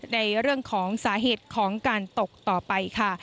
ในเรื่องของสาเหตุของการตกต่อไปค่ะ